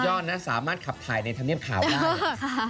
สุดยอดนะสามารถขับถ่ายในธรรมเนียมขาวได้